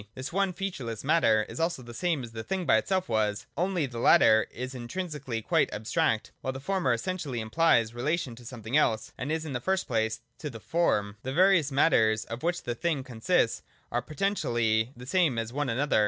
This one featureless Matter is also the same as the Thing by itself was : only the latter is intrinsically quite abstract, while the former essentially implies relation to something else, and in the first place to the Form. The various matters of which the thing consists are potentially the same as one another.